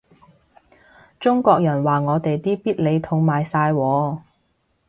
中國人話我哋啲必理痛賣晒喎